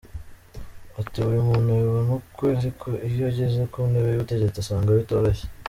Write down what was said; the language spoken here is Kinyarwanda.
Ati buri muntu abibona ukwe ariko iyo ageze ku ntebe y'ubutegetsi asanga bitoroshye.